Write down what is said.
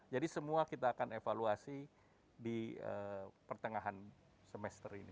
jadi semua kita akan evaluasi di pertengahan semester ini